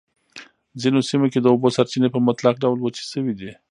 ځینو سیمو کې د اوبو سرچېنې په مطلق ډول وچې شوی دي.